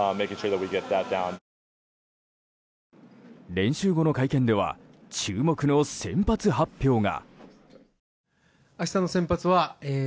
練習後の会見では注目の先発発表が。